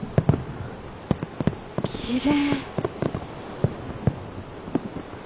奇麗。